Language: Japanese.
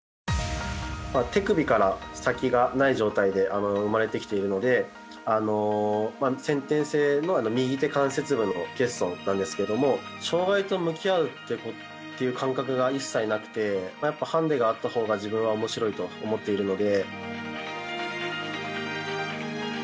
手首から先がない状態で生まれてきているので先天性の右手関節部の欠損なんですけども障がいと向き合うという感覚が一切なくてハンデがあったほうが自分はおもしろいと思っているので。